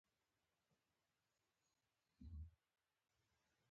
هوښیاري ښه ده.